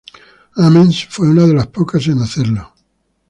Ames fue una de los pocas en hacerlo.